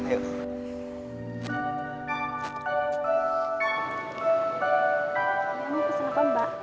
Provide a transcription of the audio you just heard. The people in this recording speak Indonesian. ini pesen apa mbak